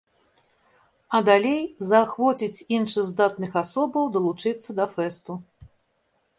А далей заахвоціць іншых здатных асобаў далучыцца да фэсту.